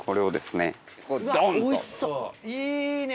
いいね！